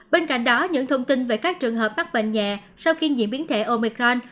bên cạnh đó những thông tin về các trường hợp bắt bệnh nhẹ sau khi nhiễm biến thể omicron